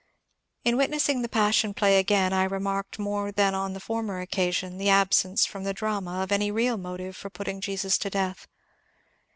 In witnessing the Passion Play again I remarked more A MYTHICAL PALL BEARER 421 than on the former occasion the absence from the drama of any real motive for putting Jesus to death.